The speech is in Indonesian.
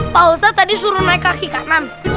pak ustadz tadi suruh naik kaki kanan